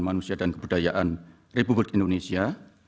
manusia dan kebudayaan republik indonesia